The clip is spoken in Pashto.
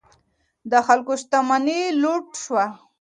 د خلکو شتمنۍ لوټ شوې.